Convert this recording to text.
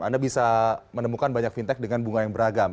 anda bisa menemukan banyak fintech dengan bunga yang beragam